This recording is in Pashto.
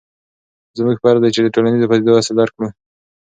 زموږ فرض دی چې د ټولنیزو پدیدو اصل درک کړو.